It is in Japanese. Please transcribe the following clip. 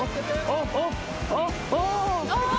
あっあっあっあ！